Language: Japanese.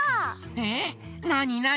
えっなになに？